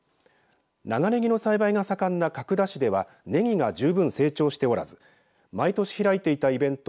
長ねぎの栽培が盛んな角田市ではねぎが十分成長しておらず毎年開いていたイベント